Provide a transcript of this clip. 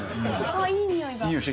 あっいいにおいが。